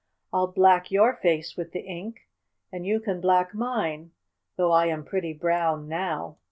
I'll black your face with the ink, and you can black mine, though I am pretty brown now."